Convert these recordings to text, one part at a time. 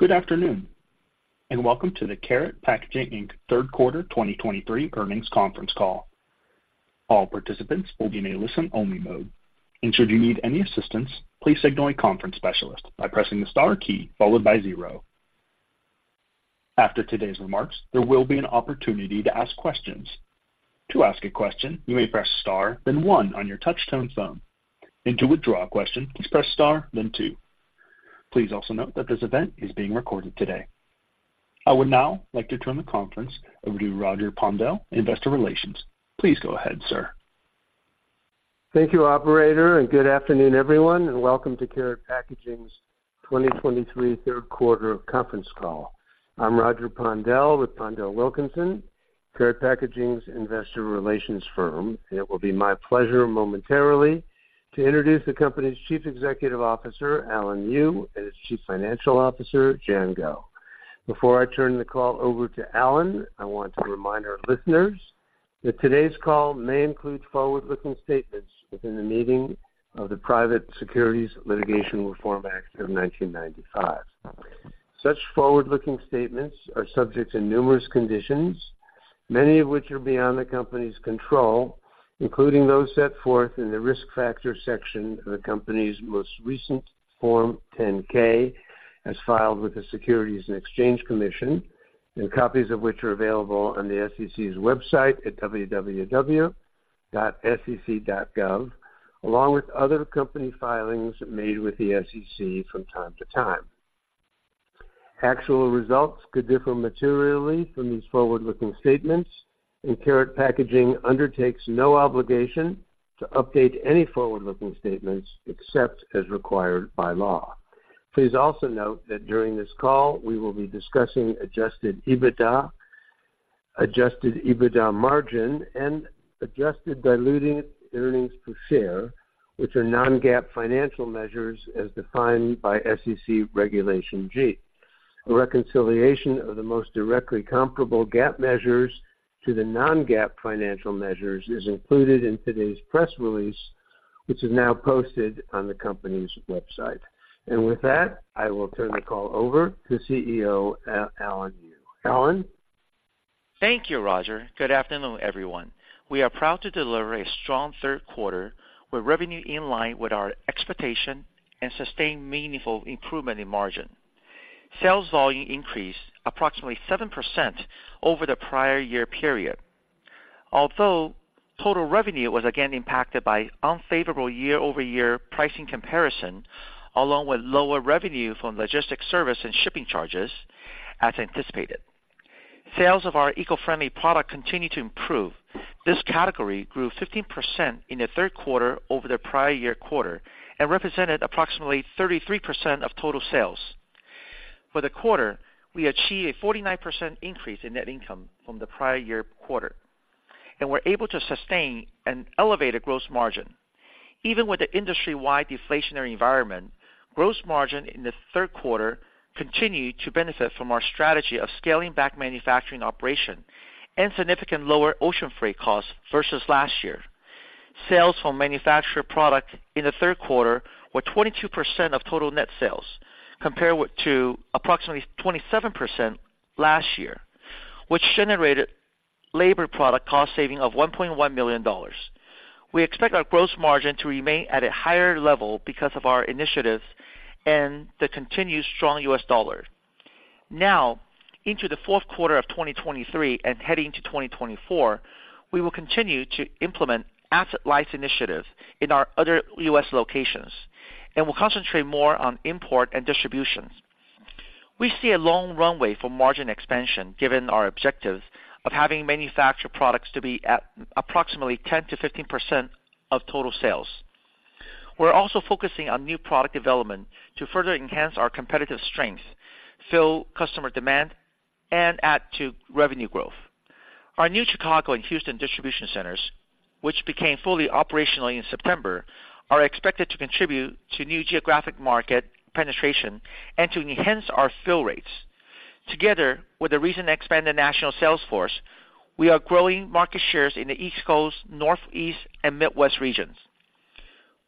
Good afternoon, and welcome to the Karat Packaging Inc. third quarter 2023 earnings conference call. All participants will be in a listen-only mode, and should you need any assistance, please signal a conference specialist by pressing the star key followed by zero. After today's remarks, there will be an opportunity to ask questions. To ask a question, you may press star, then one on your touchtone phone, and to withdraw a question, please press star, then two. Please also note that this event is being recorded today. I would now like to turn the conference over to Roger Pondel, Investor Relations. Please go ahead, sir. Thank you, operator, and good afternoon, everyone, and welcome to Karat Packaging's 2023 third quarter conference call. I'm Roger Pondel with PondelWilkinson, Karat Packaging's investor relations firm, and it will be my pleasure momentarily to introduce the company's Chief Executive Officer, Alan Yu, and its Chief Financial Officer, Jian Guo. Before I turn the call over to Alan, I want to remind our listeners that today's call may include forward-looking statements within the meaning of the Private Securities Litigation Reform Act of 1995. Such forward-looking statements are subject to numerous conditions, many of which are beyond the company's control, including those set forth in the Risk Factors section of the company's most recent Form 10-K, as filed with the Securities and Exchange Commission, and copies of which are available on the SEC's website at www.sec.gov, along with other company filings made with the SEC from time to time. Actual results could differ materially from these forward-looking statements, and Karat Packaging undertakes no obligation to update any forward-looking statements except as required by law. Please also note that during this call, we will be discussing Adjusted EBITDA, Adjusted EBITDA margin, and adjusted diluted earnings per share, which are non-GAAP financial measures as defined by SEC Regulation G. A reconciliation of the most directly comparable GAAP measures to the non-GAAP financial measures is included in today's press release, which is now posted on the company's website. With that, I will turn the call over to CEO, Alan Yu. Alan? Thank you, Roger. Good afternoon, everyone. We are proud to deliver a strong third quarter, with revenue in line with our expectation and sustain meaningful improvement in margin. Sales volume increased approximately 7% over the prior year period. Although total revenue was again impacted by unfavorable year-over-year pricing comparison, along with lower revenue from logistics service and shipping charges, as anticipated. Sales of our eco-friendly product continued to improve. This category grew 15% in the third quarter over the prior year quarter and represented approximately 33% of total sales. For the quarter, we achieved a 49% increase in net income from the prior year quarter, and we're able to sustain an elevated gross margin. Even with the industry-wide deflationary environment, gross margin in the third quarter continued to benefit from our strategy of scaling back manufacturing operation and significant lower ocean freight costs versus last year. Sales from manufactured products in the third quarter were 22% of total net sales, compared with to approximately 27% last year, which generated labor product cost saving of $1.1 million. We expect our gross margin to remain at a higher level because of our initiatives and the continued strong U.S. dollar. Now, into the fourth quarter of 2023 and heading to 2024, we will continue to implement asset-light initiative in our other U.S. locations, and we'll concentrate more on import and distribution. We see a long runway for margin expansion, given our objective of having manufactured products to be at approximately 10%-15% of total sales. We're also focusing on new product development to further enhance our competitive strength, fill customer demand, and add to revenue growth. Our new Chicago and Houston distribution centers, which became fully operational in September, are expected to contribute to new geographic market penetration and to enhance our fill rates. Together with the recent expanded national sales force, we are growing market shares in the East Coast, Northeast and Midwest regions.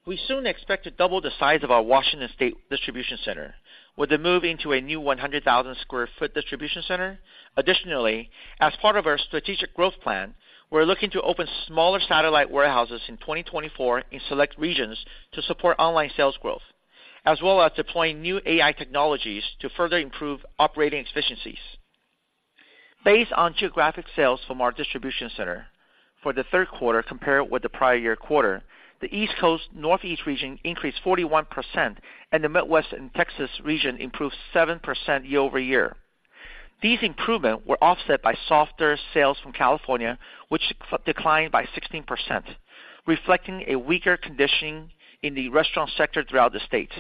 We soon expect to double the size of our Washington State distribution center, with a move into a new 100,000 sq ft distribution center. Additionally, as part of our strategic growth plan, we're looking to open smaller satellite warehouses in 2024 in select regions to support online sales growth, as well as deploying new AI technologies to further improve operating efficiencies. Based on geographic sales from our distribution center for the third quarter compared with the prior year quarter, the East Coast, Northeast region increased 41%, and the Midwest and Texas region improved 7% year-over-year. These improvements were offset by softer sales from California, which declined by 16%, reflecting a weaker conditions in the restaurant sector throughout the state.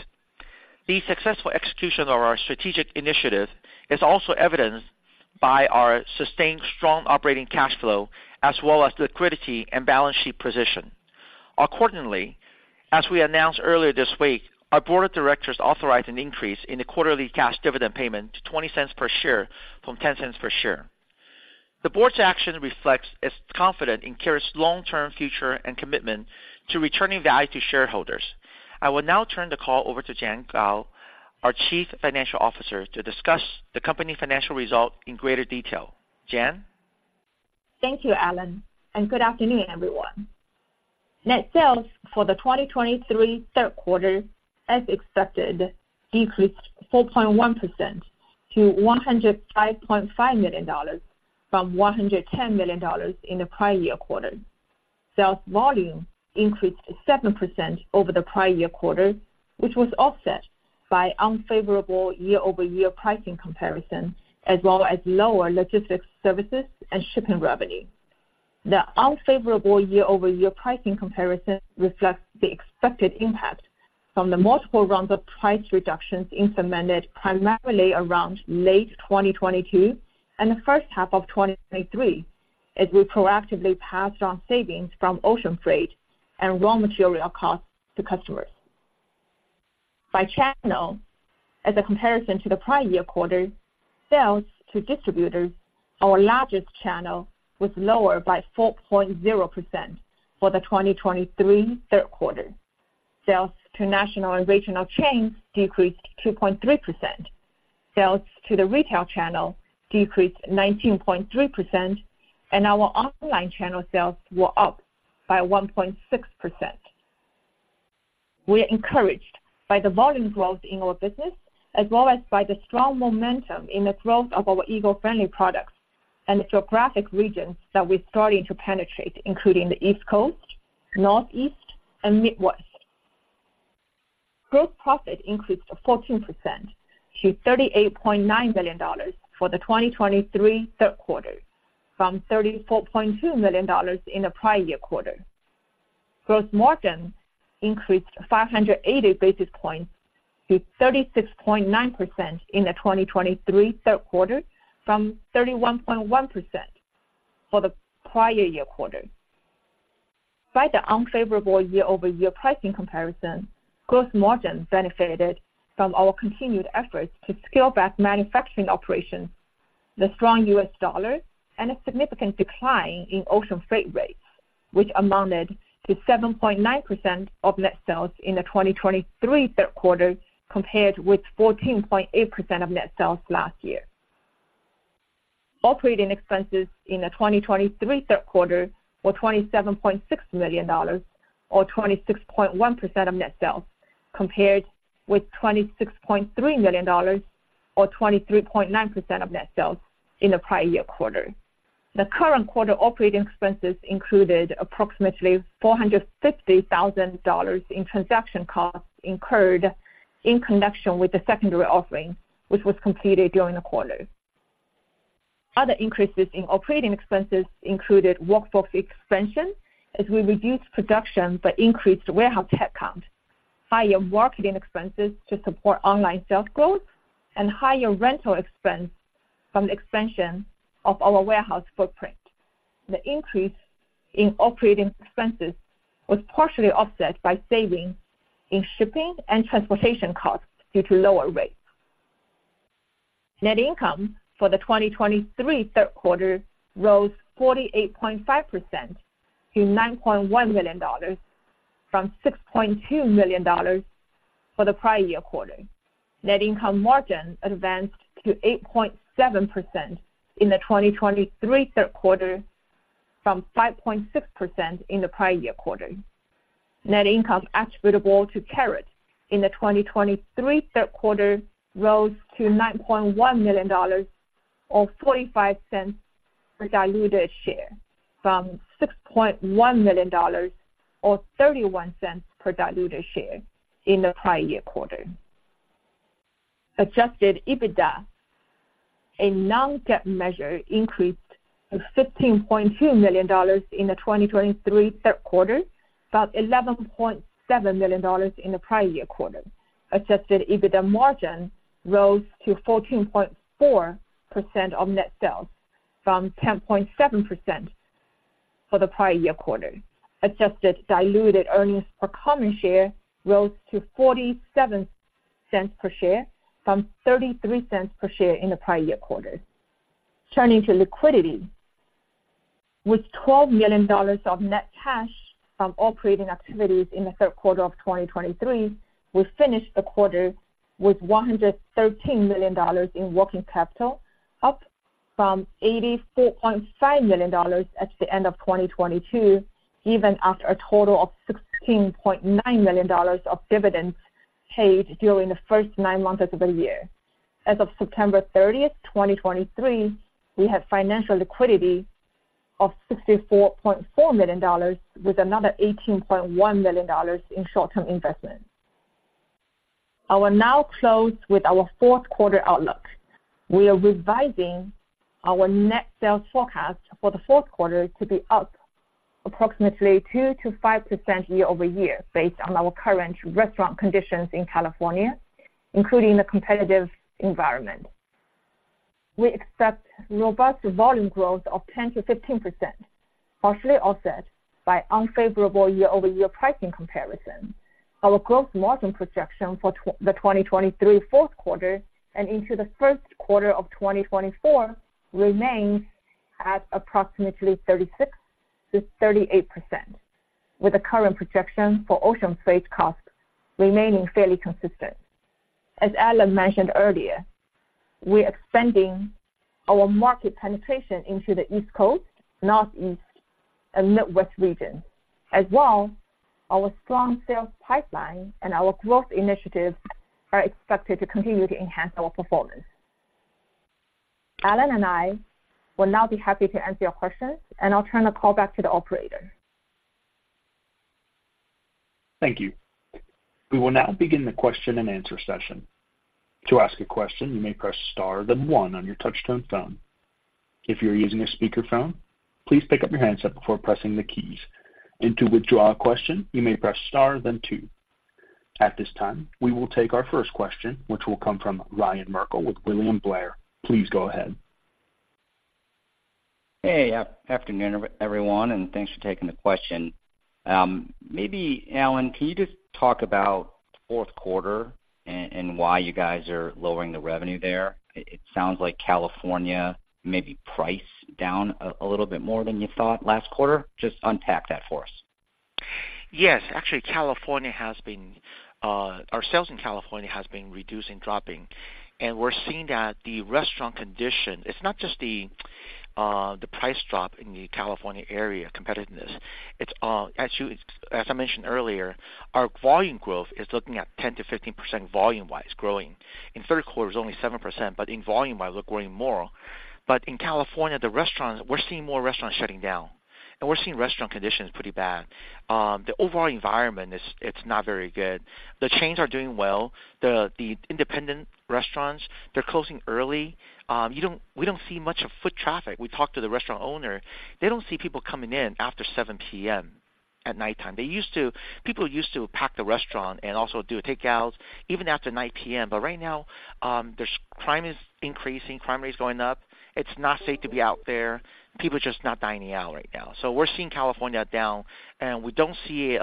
The successful execution of our strategic initiative is also evidenced by our sustained strong operating cash flow, as well as liquidity and balance sheet position. Accordingly, as we announced earlier this week, our board of directors authorized an increase in the quarterly cash dividend payment to $0.20 per share from $0.10 per share.... The board's action reflects its confidence in Karat's long-term future and commitment to returning value to shareholders. I will now turn the call over to Jian Guo, our Chief Financial Officer, to discuss the company financial results in greater detail. Jian? Thank you, Alan, and good afternoon, everyone. Net sales for the 2023 third quarter, as expected, decreased 4.1% to $105.5 million from $110 million in the prior year quarter. Sales volume increased 7% over the prior year quarter, which was offset by unfavorable year-over-year pricing comparison, as well as lower logistics services and shipping revenue. The unfavorable year-over-year pricing comparison reflects the expected impact from the multiple rounds of price reductions implemented primarily around late 2022 and the first half of 2023, as we proactively passed on savings from ocean freight and raw material costs to customers. By channel, as a comparison to the prior year quarter, sales to distributors, our largest channel, was lower by 4.0% for the 2023 third quarter. Sales to national and regional chains decreased 2.3%. Sales to the retail channel decreased 19.3%, and our online channel sales were up by 1.6%. We are encouraged by the volume growth in our business, as well as by the strong momentum in the growth of our eco-friendly products and the geographic regions that we're starting to penetrate, including the East Coast, Northeast, and Midwest. Gross profit increased 14% to $38.9 million for the 2023 third quarter, from $34.2 million in the prior year quarter. Gross margin increased 580 basis points to 36.9% in the 2023 third quarter, from 31.1% for the prior year quarter. By the unfavorable year-over-year pricing comparison, gross margin benefited from our continued efforts to scale back manufacturing operations, the strong U.S. dollar, and a significant decline in ocean freight rates, which amounted to 7.9% of net sales in the 2023 third quarter, compared with 14.8% of net sales last year. Operating expenses in the 2023 third quarter were $27.6 million or 26.1% of net sales, compared with $26.3 million or 23.9% of net sales in the prior year quarter. The current quarter operating expenses included approximately $450,000 in transaction costs incurred in connection with the secondary offering, which was completed during the quarter. Other increases in operating expenses included workforce expansion, as we reduced production but increased warehouse headcount, higher marketing expenses to support online sales growth, and higher rental expense from the expansion of our warehouse footprint. The increase in operating expenses was partially offset by savings in shipping and transportation costs due to lower rates. Net income for the 2023 third quarter rose 48.5% to $9.1 million from $6.2 million for the prior year quarter. Net income margin advanced to 8.7% in the 2023 third quarter from 5.6% in the prior year quarter. Net income attributable to Karat in the 2023 third quarter rose to $9.1 million or $0.45 per diluted share, from $6.1 million or $0.31 per diluted share in the prior year quarter. Adjusted EBITDA, a non-GAAP measure, increased to $15.2 million in the 2023 third quarter, from $11.7 million in the prior year quarter. Adjusted EBITDA margin rose to 14.4% of net sales from 10.7% for the prior year quarter. Adjusted diluted earnings per common share rose to $0.47 per share from $0.33 per share in the prior year quarter. Turning to liquidity. With $12 million of net cash from operating activities in the third quarter of 2023, we finished the quarter with $113 million in working capital, up from $84.5 million at the end of 2022, even after a total of $16.9 million of dividends paid during the first nine months of the year. As of September 30, 2023, we had financial liquidity of $64.4 million, with another $18.1 million in short-term investments. I will now close with our fourth quarter outlook. We are revising our net sales forecast for the fourth quarter to be up approximately 2%-5% year-over-year, based on our current restaurant conditions in California, including the competitive environment. We expect robust volume growth of 10%-15%... partially offset by unfavorable year-over-year pricing comparison. Our Gross Margin projection for the 2023 fourth quarter and into the first quarter of 2024 remains at approximately 36%-38%, with the current projection for ocean freight costs remaining fairly consistent. As Alan mentioned earlier, we're expanding our market penetration into the East Coast, Northeast, and Midwest region. As well, our strong sales pipeline and our growth initiatives are expected to continue to enhance our performance. Alan and I will now be happy to answer your questions, and I'll turn the call back to the operator. Thank you. We will now begin the question-and-answer session. To ask a question, you may press star, then one on your touchtone phone. If you're using a speakerphone, please pick up your handset before pressing the keys. To withdraw a question, you may press star then two. At this time, we will take our first question, which will come from Ryan Merkel with William Blair. Please go ahead. Hey, afternoon, everyone, and thanks for taking the question. Maybe, Alan, can you just talk about fourth quarter and why you guys are lowering the revenue there? It sounds like California may be priced down a little bit more than you thought last quarter. Just unpack that for us. Yes, actually, California has been our sales in California has been reducing, dropping, and we're seeing that the restaurant condition, it's not just the price drop in the California area competitiveness. It's, as you, as I mentioned earlier, our volume growth is looking at 10%-15% volume-wise, growing. In third quarter, it was only 7%, but in volume-wise, we're growing more. But in California, the restaurants, we're seeing more restaurants shutting down, and we're seeing restaurant conditions pretty bad. The overall environment is, it's not very good. The chains are doing well. The independent restaurants, they're closing early. We don't see much of foot traffic. We talked to the restaurant owner. They don't see people coming in after 7 P.M. at nighttime. They used to... People used to pack the restaurant and also do takeouts even after 9 P.M. But right now, there's crime is increasing, crime rate is going up. It's not safe to be out there. People are just not dining out right now. So we're seeing California down, and we don't see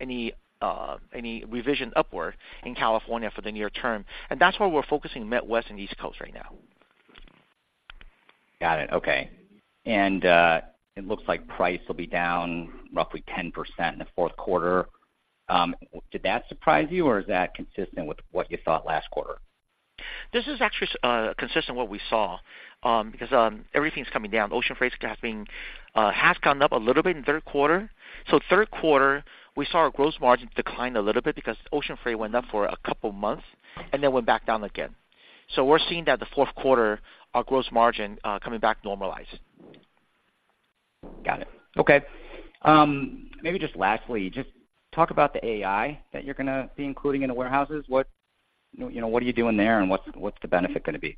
any revision upward in California for the near term, and that's why we're focusing Midwest and East Coast right now. Got it. Okay. And, it looks like price will be down roughly 10% in the fourth quarter. Did that surprise you, or is that consistent with what you thought last quarter? This is actually consistent what we saw, because everything's coming down. Ocean freight is getting, has gone up a little bit in the third quarter. So third quarter, we saw our Gross Margin decline a little bit because ocean freight went up for a couple of months and then went back down again. So we're seeing that the fourth quarter, our Gross Margin coming back normalized. Got it. Okay. Maybe just lastly, just talk about the AI that you're gonna be including in the warehouses. What, you know, what are you doing there, and what's, what's the benefit gonna be?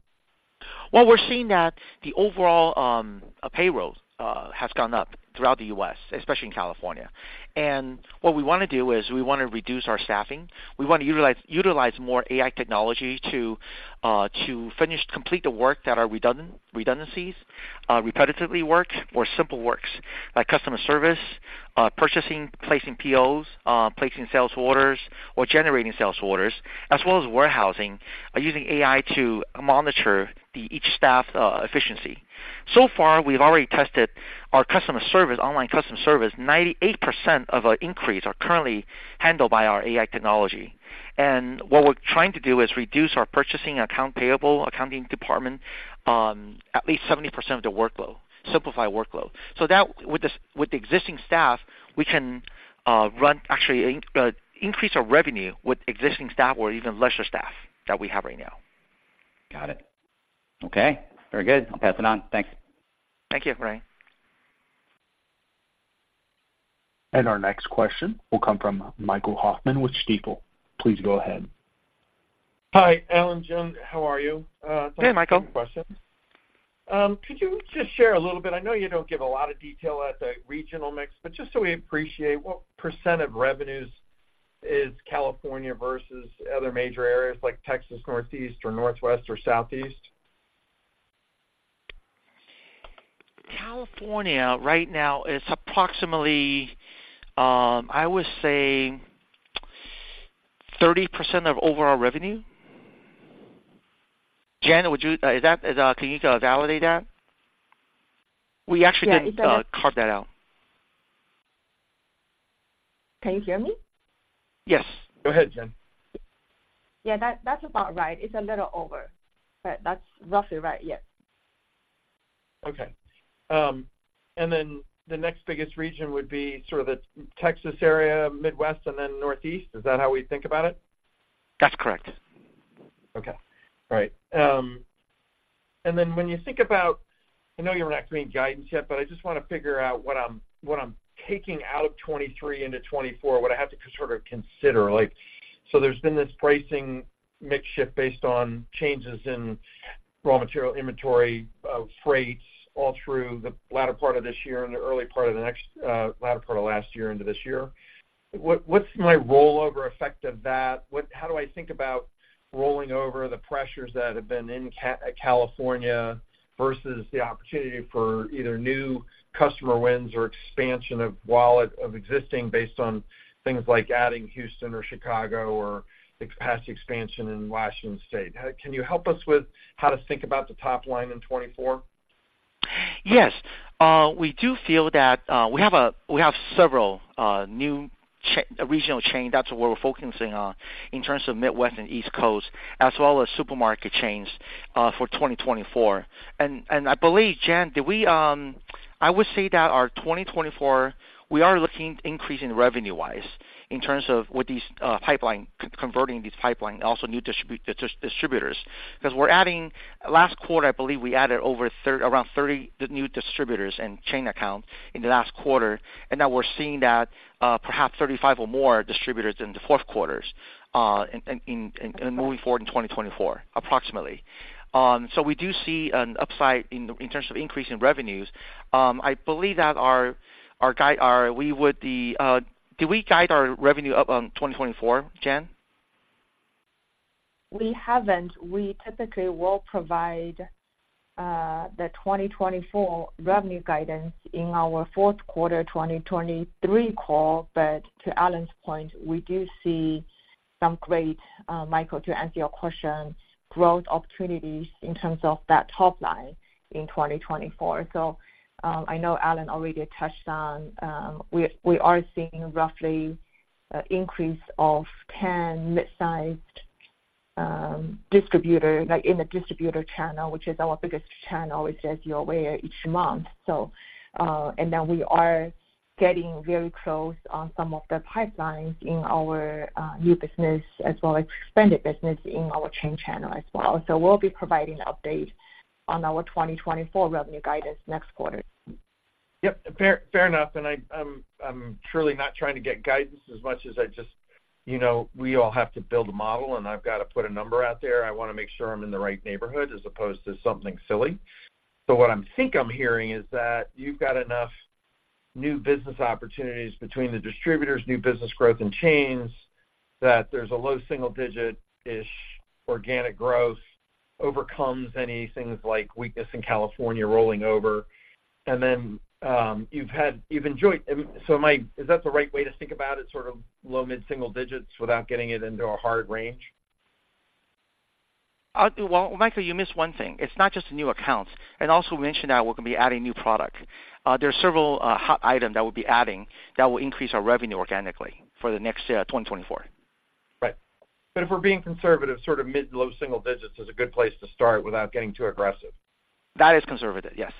Well, we're seeing that the overall payroll has gone up throughout the U.S., especially in California. And what we wanna do is we wanna reduce our staffing. We want to utilize more AI technology to complete the work that are redundancies, repetitively work or simple works, like customer service, purchasing, placing POs, placing sales orders or generating sales orders, as well as warehousing, by using AI to monitor each staff efficiency. So far, we've already tested our customer service, online customer service. 98% of our inquiries are currently handled by our AI technology. And what we're trying to do is reduce our purchasing, accounts payable, accounting department, at least 70% of the workload, simplify workload. So that with the existing staff, we can actually increase our revenue with existing staff or even lesser staff that we have right now. Got it. Okay, very good. I'll pass it on. Thanks. Thank you, Ryan. Our next question will come from Michael Hoffman with Stifel. Please go ahead. Hi, Alan, Jian, how are you? Hey, Michael. Thanks for taking the question. Could you just share a little bit, I know you don't give a lot of detail at the regional mix, but just so we appreciate, what % of revenues is California versus other major areas like Texas, Northeast or Northwest or Southeast? California, right now, is approximately, I would say, 30% of overall revenue. Jen, would you, is that, can you, validate that? We actually didn't- Yeah, it does. Carve that out. Can you hear me? Yes. Go ahead, Jen. Yeah, that, that's about right. It's a little over, but that's roughly right, yes. Okay. And then the next biggest region would be sort of the Texas area, Midwest, and then Northeast. Is that how we think about it? That's correct. Okay. All right. And then when you think about... I know you're not doing guidance yet, but I just wanna figure out what I'm taking out of 2023 into 2024, what I have to sort of consider. Like, so there's been this pricing mix shift based on changes in raw material, inventory, freights, all through the latter part of this year and the early part of the next, latter part of last year into this year... What's my rollover effect of that? What-- How do I think about rolling over the pressures that have been in California versus the opportunity for either new customer wins or expansion of wallet of existing based on things like adding Houston or Chicago or capacity expansion in Washington State? Can you help us with how to think about the top line in 2024? Yes. We do feel that we have a, we have several new regional chain. That's what we're focusing on in terms of Midwest and East Coast, as well as supermarket chains for 2024. I believe, Jian, did we, I would say that our 2024, we are looking increasing revenue-wise in terms of with these pipeline, converting these pipeline, also new distributors. Because we're adding last quarter, I believe we added around 30 new distributors and chain accounts in the last quarter, and now we're seeing that perhaps 35 or more distributors in the fourth quarters, and moving forward in 2024, approximately. So we do see an upside in terms of increasing revenues. I believe that our guide. Did we guide our revenue up on 2024, Jian? We haven't. We typically will provide the 2024 revenue guidance in our fourth quarter 2023 call. But to Alan's point, we do see some great Michael, to answer your question, growth opportunities in terms of that top line in 2024. So, I know Alan already touched on, we are seeing roughly increase of 10 mid-sized distributor like in the distributor channel, which is our biggest channel, as you're aware, each month. So, and then we are getting very close on some of the pipelines in our new business as well as expanded business in our chain channel as well. So we'll be providing an update on our 2024 revenue guidance next quarter. Yep, fair enough, and I'm truly not trying to get guidance as much as I just, you know, we all have to build a model, and I've got to put a number out there. I want to make sure I'm in the right neighborhood as opposed to something silly. So what I think I'm hearing is that you've got enough new business opportunities between the distributors, new business growth and chains, that there's a low single digit-ish organic growth, overcomes any things like weakness in California rolling over. And then, you've enjoyed. So is that the right way to think about it, sort of low, mid single digits without getting it into a hard range? Well, Michael, you missed one thing. It's not just the new accounts, and also mentioned that we're going to be adding new product. There are several hot item that we'll be adding that will increase our revenue organically for the next year, 2024. Right. But if we're being conservative, sort of mid, low single digits is a good place to start without getting too aggressive. That is conservative, yes.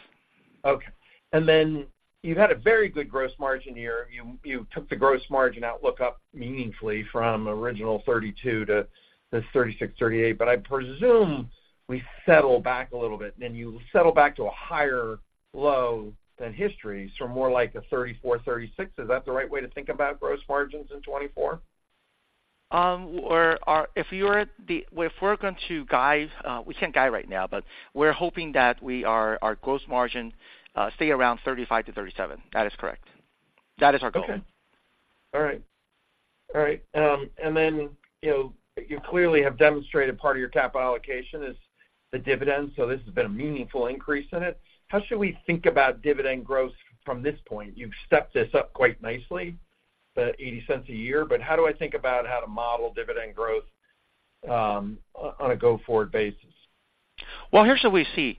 Okay. And then you've had a very good Gross Margin year. You, you took the Gross Margin outlook up meaningfully from original 32% to this 36%-38%, but I presume we settle back a little bit, and you settle back to a higher low than history, so more like a 34%-36%. Is that the right way to think about Gross Margins in 2024? If we're going to guide, we can't guide right now, but we're hoping that we are, our gross margin stay around 35%-37%. That is correct. That is our goal. Okay. All right. All right, and then, you know, you clearly have demonstrated part of your capital allocation is the dividend, so this has been a meaningful increase in it. How should we think about dividend growth from this point? You've stepped this up quite nicely, the $0.80 a year, but how do I think about how to model dividend growth, on a go-forward basis? Well, here's what we see.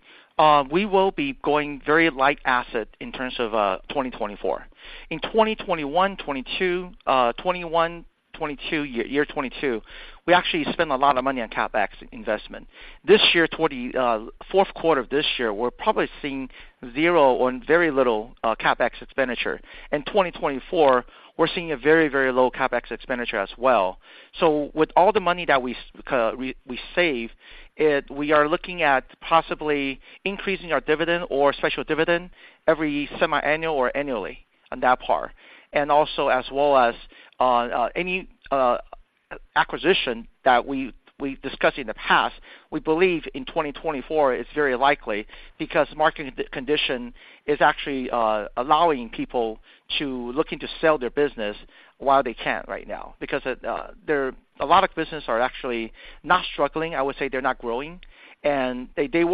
We will be going very light asset in terms of 2024. In 2021, 22, 2021, 22, year, year 2022, we actually spent a lot of money on CapEx investment. This year, 2023, fourth quarter of this year, we're probably seeing zero or very little CapEx expenditure. In 2024, we're seeing a very, very low CapEx expenditure as well. So with all the money that we save, we are looking at possibly increasing our dividend or special dividend every semiannual or annually on that part. And also as well as any acquisition that we discussed in the past, we believe in 2024, it's very likely because market condition is actually allowing people to looking to sell their business while they can right now. Because, they're a lot of business are actually not struggling. I would say they're not growing, and they, they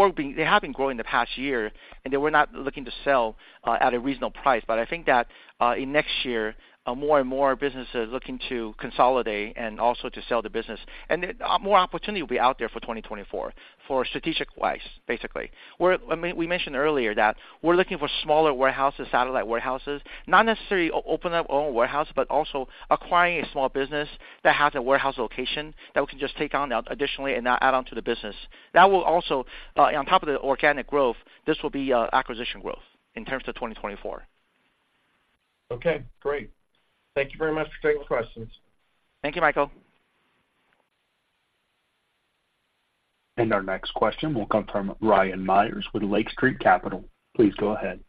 have been growing the past year, and they were not looking to sell at a reasonable price. But I think that, in next year, more and more businesses looking to consolidate and also to sell the business, and then, more opportunity will be out there for 2024, for strategic wise, basically. We're, I mean, we mentioned earlier that we're looking for smaller warehouses, satellite warehouses, not necessarily open up our own warehouse, but also acquiring a small business that has a warehouse location that we can just take on additionally and add on to the business. That will also, on top of the organic growth, this will be, acquisition growth in terms of 2024. Okay, great. Thank you very much for taking the questions. Thank you, Michael. Our next question will come from Ryan Meyers with Lake Street Capital. Please go ahead.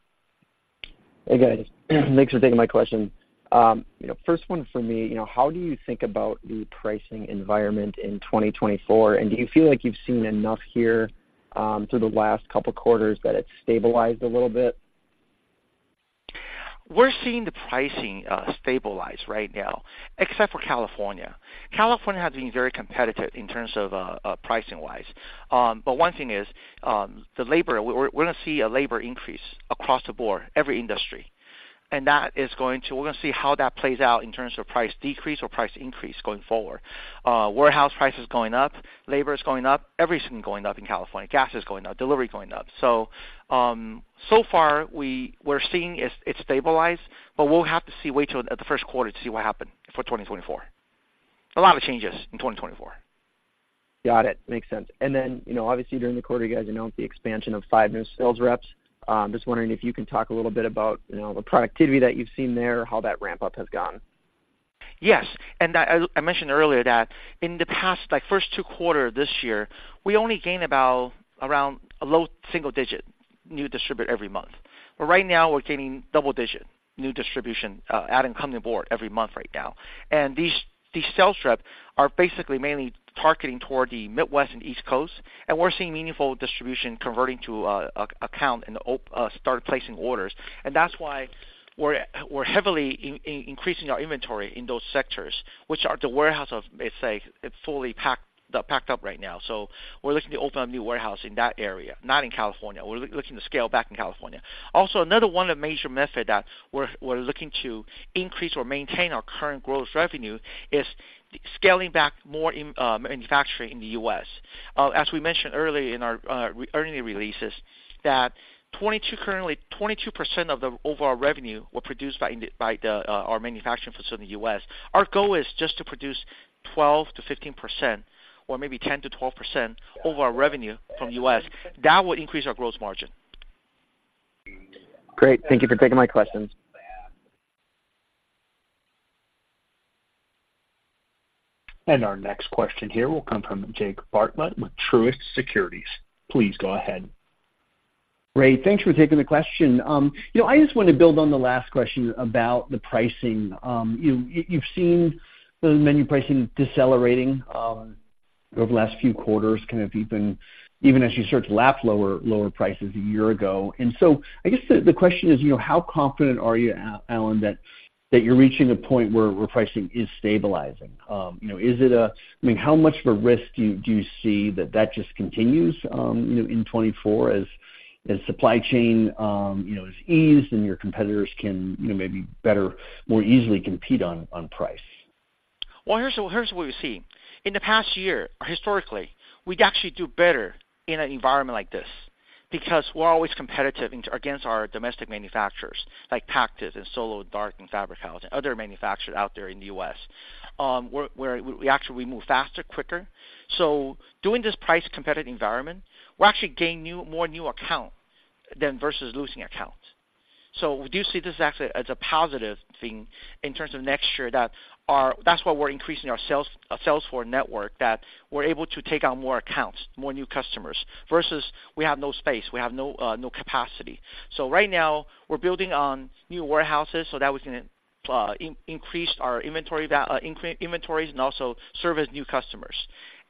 Hey, guys. Thanks for taking my question. You know, first one for me, you know, how do you think about the pricing environment in 2024? And do you feel like you've seen enough here through the last couple quarters, that it's stabilized a little bit? We're seeing the pricing stabilize right now, except for California. California has been very competitive in terms of pricing-wise. But one thing is, the labor, we're gonna see a labor increase across the board, every industry. And that is going to. We're gonna see how that plays out in terms of price decrease or price increase going forward. Warehouse price is going up, labor is going up, everything going up in California. Gas is going up, delivery going up. So, so far, we're seeing it stabilize, but we'll have to see, wait till the first quarter to see what happens for 2024. A lot of changes in 2024. Got it. Makes sense. And then, you know, obviously, during the quarter, you guys announced the expansion of five new sales reps. Just wondering if you can talk a little bit about, you know, the productivity that you've seen there, how that ramp-up has gone. Yes, and that, I mentioned earlier that in the past, like, first two quarters this year, we only gained about around a low single digit new distributor every month. But right now, we're gaining double digit new distribution, adding, coming aboard every month right now. And these, these sales rep are basically mainly targeting toward the Midwest and East Coast, and we're seeing meaningful distribution converting to a, a account and start placing orders. And that's why we're, we're heavily increasing our inventory in those sectors, which are the warehouse of, let's say, it's fully packed up right now. So we're looking to open a new warehouse in that area, not in California. We're looking to scale back in California. Also, another one of major method that we're looking to increase or maintain our current gross revenue is scaling back more in manufacturing in the U.S. As we mentioned earlier in our earnings releases, that 22, currently, 22% of the overall revenue were produced by our manufacturing facility in the U.S. Our goal is just to produce 12%-15% or maybe 10%-12% of our revenue from U.S. That will increase our gross margin. Great, thank you for taking my questions. Our next question here will come from Jake Bartlett with Truist Securities. Please go ahead. Great, thanks for taking the question. You know, I just want to build on the last question about the pricing. You've seen the menu pricing decelerating over the last few quarters, kind of even, even as you start to lap lower, lower prices a year ago. And so I guess the question is, you know, how confident are you, Alan, that you're reaching a point where pricing is stabilizing? You know, is it a... I mean, how much of a risk do you see that that just continues, you know, in 2024 as supply chain is eased and your competitors can, you know, maybe better, more easily compete on price? Well, here's what, here's what we see. In the past year, historically, we'd actually do better in an environment like this because we're always competitive against our domestic manufacturers, like Pactiv and Solo, Dart and Fabri-Kal and other manufacturers out there in the U.S. Where, where we actually move faster, quicker. So during this price competitive environment, we're actually gaining new, more new account than versus losing accounts. So we do see this actually as a positive thing in terms of next year, that our-- that's why we're increasing our sales, sales force network, that we're able to take on more accounts, more new customers, versus we have no space, we have no, no capacity. So right now, we're building on new warehouses so that we can, increase our inventory, increase inventories and also service new customers.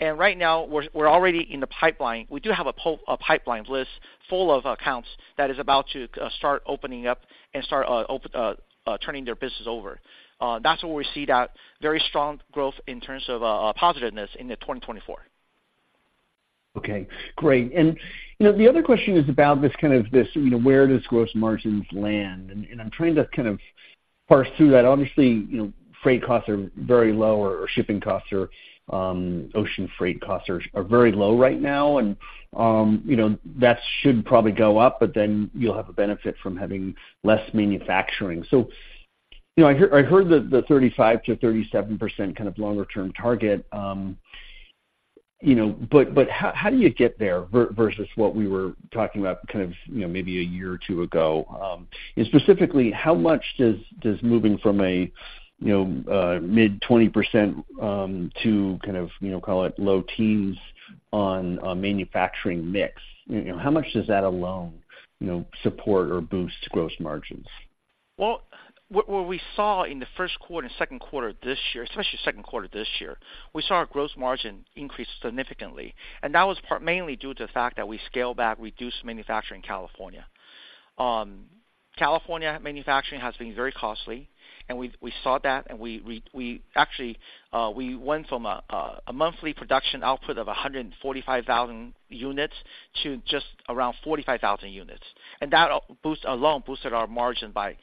And right now, we're already in the pipeline. We do have a pipeline list full of accounts that is about to start opening up and start turning their business over. That's where we see that very strong growth in terms of positiveness in the 2024. Okay, great. And, you know, the other question is about this kind of this, you know, where does gross margins land? And, and I'm trying to kind of parse through that. Obviously, you know, freight costs are very low or shipping costs are, ocean freight costs are, are very low right now. And, you know, that should probably go up, but then you'll have a benefit from having less manufacturing. So, you know, I heard the, the 35%-37% kind of longer term target, you know, but, but how do you get there versus what we were talking about, kind of, you know, maybe a year or two ago? Specifically, how much does, does moving from a, you know, mid-20%, to kind of, you know, call it low teens on, on manufacturing mix, you know, how much does that alone, you know, support or boost gross margins? Well, what we saw in the first quarter and second quarter this year, especially second quarter this year, we saw our gross margin increase significantly, and that was part mainly due to the fact that we scaled back, reduced manufacturing in California. California manufacturing has been very costly, and we saw that, and we actually went from a monthly production output of 145,000 units to just around 45,000 units, and that boost alone boosted our margin by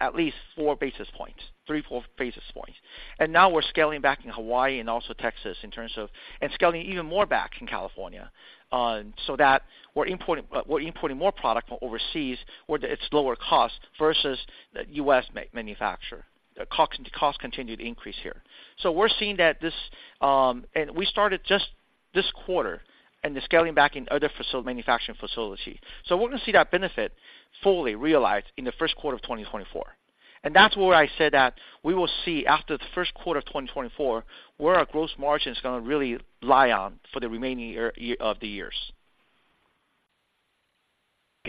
at least 4 basis points, 3-4 basis points. And now we're scaling back in Hawaii and also Texas in terms of... and scaling even more back in California, so that we're importing more product from overseas, where it's lower cost, versus the U.S. manufacture. The costs continue to increase here. So we're seeing that this, and we started just this quarter and the scaling back in other manufacturing facilities. So we're going to see that benefit fully realized in the first quarter of 2024. And that's where I said that we will see after the first quarter of 2024, where our gross margin is gonna really lie on for the remaining year, year, of the years.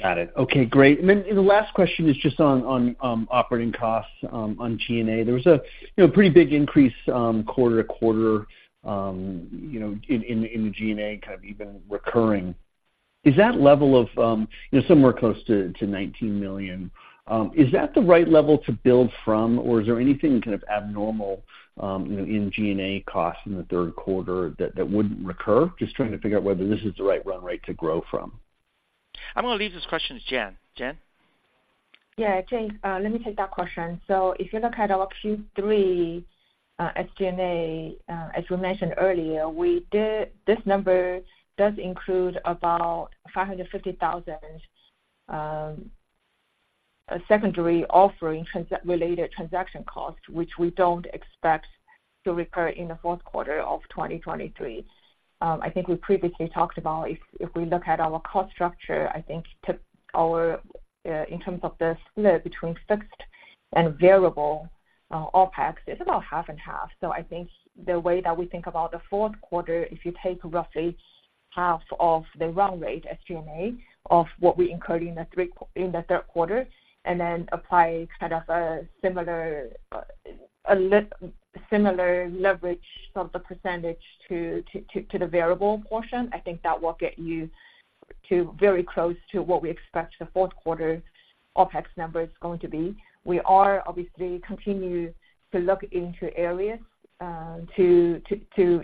Got it. Okay, great. And then the last question is just on operating costs on G&A. There was a, you know, pretty big increase quarter to quarter, you know, in the G&A, kind of even recurring. Is that level of, you know, somewhere close to $19 million, is that the right level to build from? Or is there anything kind of abnormal, you know, in G&A costs in the third quarter that wouldn't recur? Just trying to figure out whether this is the right run rate to grow from. I'm gonna leave this question to Jian. Jian? Yeah, Jake, let me take that question. So if you look at our Q3, SG&A, as we mentioned earlier, this number does include about $550,000 secondary offering related transaction costs, which we don't expect to recur in the fourth quarter of 2023. I think we previously talked about if, if we look at our cost structure, I think to our, in terms of the split between fixed and variable, OpEx, it's about 50/50. So I think the way that we think about the fourth quarter, if you take roughly half of the run rate SG&A of what we incurred in the three, in the third quarter, and then apply kind of a similar leverage of the percentage to the variable portion, I think that will get you to very close to what we expect the fourth quarter OpEx number is going to be. We are obviously continue to look into areas to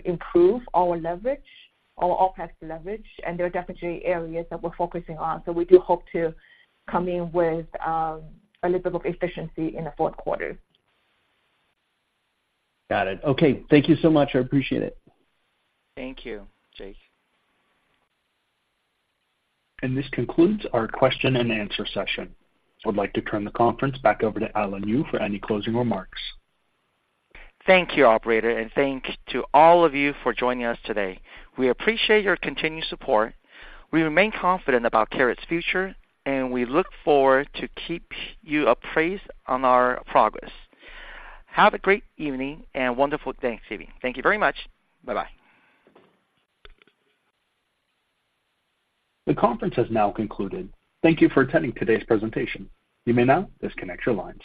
improve our leverage, our OpEx leverage, and there are definitely areas that we're focusing on. So we do hope to come in with a little bit of efficiency in the fourth quarter. Got it. Okay, thank you so much. I appreciate it. Thank you, Jake. This concludes our question and answer session. I'd like to turn the conference back over to Alan Yu for any closing remarks. Thank you, operator, and thanks to all of you for joining us today. We appreciate your continued support. We remain confident about Karat's future, and we look forward to keep you apprised on our progress. Have a great evening and a wonderful Thanksgiving. Thank you very much. Bye-bye. The conference has now concluded. Thank you for attending today's presentation. You may now disconnect your line.